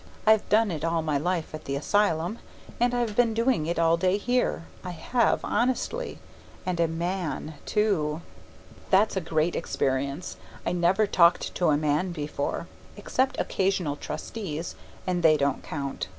I've done it all my life at the asylum, and I've been doing it all day here. I have honestly. And a Man, too! That's a great experience. I never talked to a man before (except occasional Trustees, and they don't count).